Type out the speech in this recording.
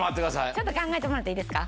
ちょっと考えてもらっていいですか？